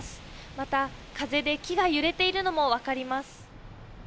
また、風で木が揺れているのも分かります。